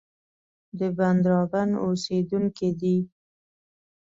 د بندرابن اوسېدونکی دی.